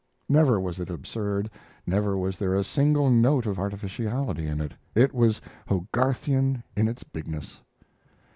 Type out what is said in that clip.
Never was it absurd; never was there a single note of artificiality in it. It was Hogarthian in its bigness.